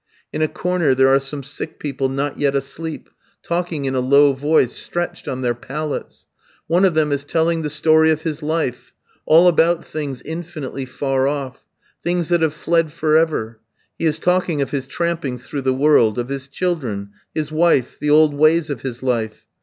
In a corner there are some sick people not yet asleep, talking in a low voice, stretched on their pallets. One of them is telling the story of his life, all about things infinitely far off; things that have fled for ever; he is talking of his trampings through the world, of his children, his wife, the old ways of his life.